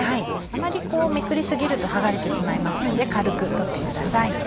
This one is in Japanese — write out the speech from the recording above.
あまりめくり過ぎると剥がれてしまいますので軽く取ってください。